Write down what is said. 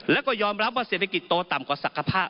และก็ยอมรับว่าเศรษฐกิจโตต่ำกว่า